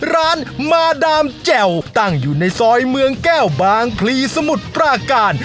ร้านมาดามแจ่วตั้งอยู่ในซอยเมืองแก้วบางพลีสมุทรปราการ